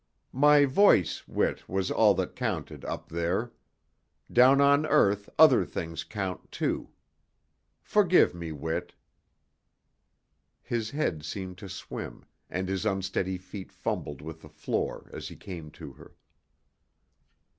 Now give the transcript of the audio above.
My voice, Whit, was all that counted, up there. Down on earth, other things count, too. Forgive me, Whit." His head seemed to swim, and his unsteady feet fumbled with the floor as he came to her.